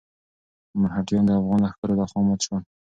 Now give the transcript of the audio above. مرهټیان د افغان لښکرو لخوا مات شول.